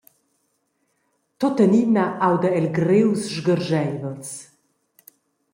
Tuttenina auda el grius sgarscheivels.